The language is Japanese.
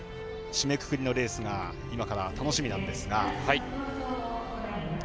締めくくりのレースが今から楽しみなんですが。